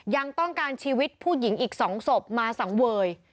ยังต้องการชีวิตผู้หญิงอีก๒ศพมาสังเวย